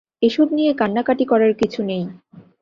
এসব নিয়ে কাঁন্নাকাটি করার কিছু নেই।